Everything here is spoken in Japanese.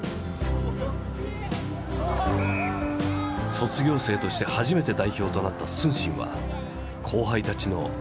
卒業生として初めて代表となった承信は後輩たちの憧れだ。